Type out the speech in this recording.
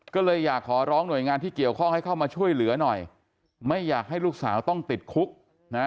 ก็เลยอยากขอร้องหน่วยงานที่เกี่ยวข้องให้เข้ามาช่วยเหลือหน่อยไม่อยากให้ลูกสาวต้องติดคุกนะ